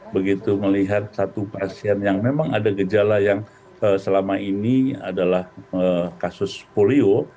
begitu melihat satu pasien yang memang ada gejala yang selama ini adalah kasus polio